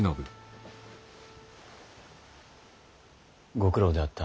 ご苦労であった。